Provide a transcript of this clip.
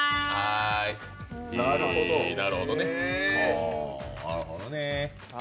なるほどね。